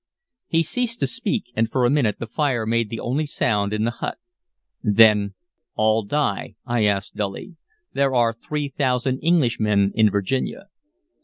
He ceased to speak, and for a minute the fire made the only sound in the hut. Then, "All die?" I asked dully. "There are three thousand Englishmen in Virginia."